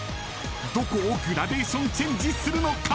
どこをグラデーションチェンジするのか？］